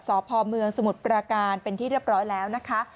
สพเมืองสมุทรปราการเป็นที่เรียบร้อยแล้วนะคะ